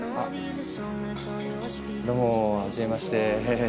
どうもはじめまして。